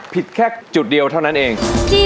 ผิดแค่จุดเดียวเท่านั้นเอง